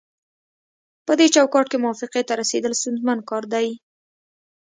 پدې چوکاټ کې موافقې ته رسیدل ستونزمن کار دی